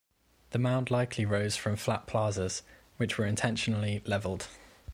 The mound likely rose from flat plazas which were intentionally leveled.